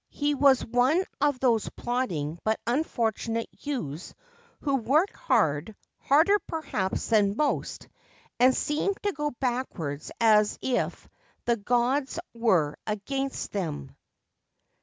He was one of those plodding but unfortunate youths who work hard, harder perhaps than most, and seem to go backwards as if the very gods were against them.